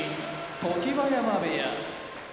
常盤山部屋